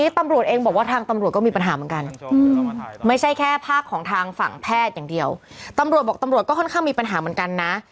ตำรวจก็ค่อนข้างมีปัญหาเหมือนกันนะ